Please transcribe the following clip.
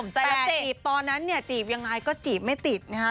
แต่จีบตอนนั้นเนี่ยจีบยังไงก็จีบไม่ติดนะฮะ